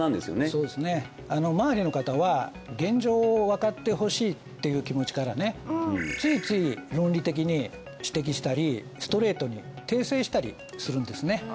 そうですね周りの方は現状を分かってほしいっていう気持ちからねついつい論理的に指摘したりストレートに訂正したりするんですね